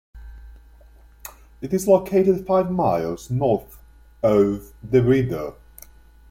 It is located five miles north of DeRidder.